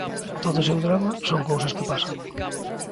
Todo o seu drama son cousas que pasan.